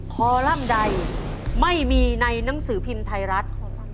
พอร่ำใดไม่มีในนังสือพิมพ์ไทยรัฐ